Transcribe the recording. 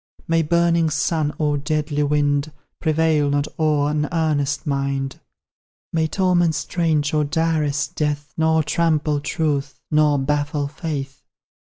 May burning sun or deadly wind Prevail not o'er an earnest mind; May torments strange or direst death Nor trample truth, nor baffle faith.